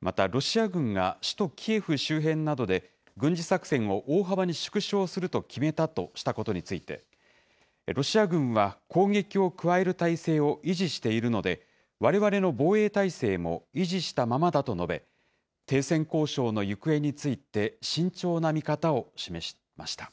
また、ロシア軍が首都キエフ周辺などで軍事作戦を大幅に縮小すると決めたとしたことについて、ロシア軍は攻撃を加える態勢を維持しているので、われわれの防衛態勢も維持したままだと述べ、停戦交渉の行方について、慎重な見方を示しました。